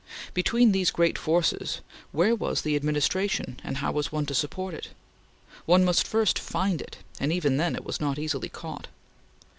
Between these great forces, where was the Administration and how was one to support it? One must first find it, and even then it was not easily caught.